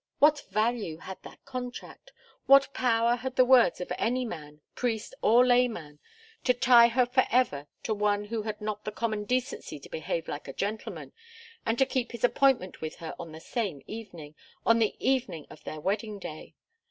What value had that contract? What power had the words of any man, priest or layman, to tie her forever to one who had not the common decency to behave like a gentleman, and to keep his appointment with her on the same evening on the evening of their wedding day?